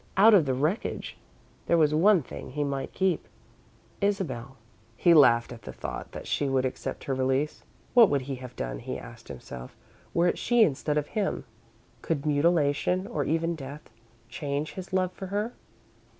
Out of the wreckage there was one thing he might keep Isabel. He laughed at the thought that she would accept her release. What would he have done he asked himself, were it she instead of him? Could mutilation, or even death, change his love for her?